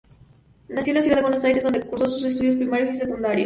Nació en la ciudad de Buenos Aires, donde cursó sus estudios primarios y secundarios.